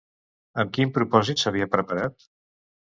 Amb quin propòsit s'havia preparat?